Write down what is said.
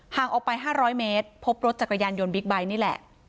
ห่างออกไปห้าร้อยเมตรพบรถจักรยานยนต์บิ๊กไบนี่แหละ